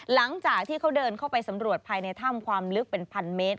หลังจากที่เขาเดินเข้าไปสำรวจภายในถ้ำความลึกเป็นพันเมตร